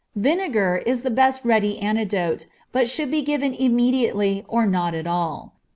Vinegar is the best ready antidote, but should be given immediately or not at all.